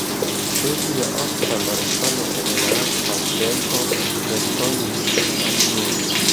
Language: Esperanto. "Do Via ofta malsano en la lasta tempo!" Respondis Arturo.